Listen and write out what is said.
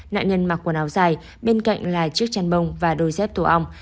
nạn nhân mặc quần áo dài bên cạnh là chiếc chăn bông và đôi dép tổ ong